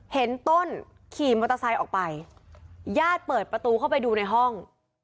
เห็นต้นขี่มอเตอร์ไซค์ออกไปญาติเปิดประตูเข้าไปดูในห้อง